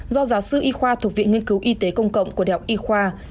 do giáo sư y khoa thuộc viện nghiên cứu y tế công cộng của đại học y khoa